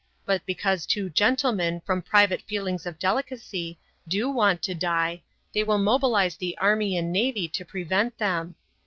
But because two gentlemen, from private feelings of delicacy, do want to die, they will mobilize the army and navy to prevent them.